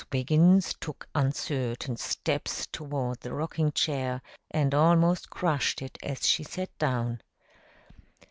Wiggins took uncertain steps toward the rocking chair, and almost crushed it as she sat down.